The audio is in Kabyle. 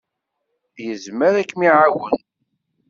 Yezmer ad kem-iɛawen.